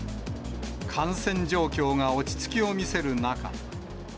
感染状況が落ち着きを見せる中。